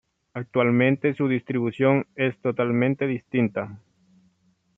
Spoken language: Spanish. Actualmente su distribución es totalmente distinta.